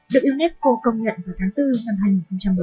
được unesco công nhận vào tháng bốn năm hai nghìn một mươi